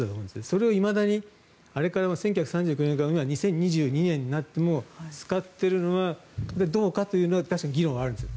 それをいまだにあれから１９３９年から今、２０２２年になっても使っているのはどうかというのは確かに議論はあります。